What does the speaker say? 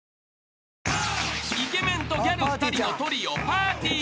［イケメンとギャル２人のトリオ］